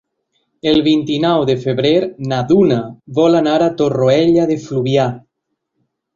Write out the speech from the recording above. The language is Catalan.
El vint-i-nou de febrer na Duna vol anar a Torroella de Fluvià.